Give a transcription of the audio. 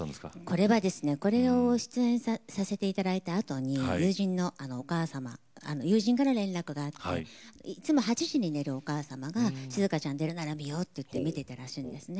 これはですねこれを出演させて頂いたあとに友人のお母様友人から連絡があっていつも８時に寝るお母様が静香ちゃん出るなら見ようっていって見てたらしいんですね。